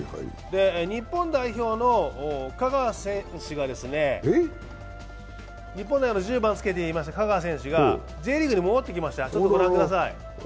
日本代表の香川選手が日本代表の１０番つけていた香川選手がＪリーグに戻ってきましたのでご覧ください。